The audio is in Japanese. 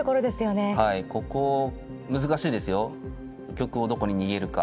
玉をどこに逃げるか。